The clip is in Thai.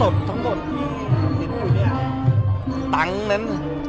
ตังค์นั้น